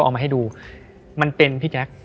เพื่อที่จะให้แก้วเนี่ยหลอกลวงเค